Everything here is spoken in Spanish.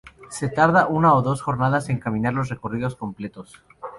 Se tarda una o dos jornadas en caminar los recorridos completos.